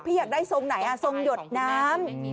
อยากได้ทรงไหนทรงหยดน้ำ